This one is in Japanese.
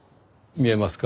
見えますか？